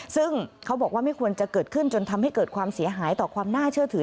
ซึ่งเขาบอกว่าไม่ควรจะเกิดขึ้นจนทำให้เกิดความเสียหายต่อความน่าเชื่อถือ